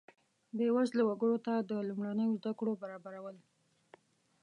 بیوزله وګړو ته د لومړنیو زده کړو برابرول.